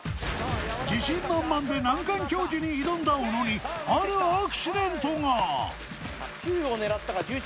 自信満々で難関競技に挑んだ小野にあるアクシデントが９を狙ったか１１